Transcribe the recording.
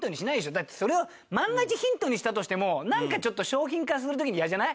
だってそれを万が一ヒントにしたとしてもなんかちょっと商品化する時にイヤじゃない？